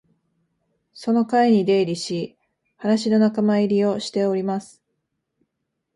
その会に出入りし、話の仲間入りをしております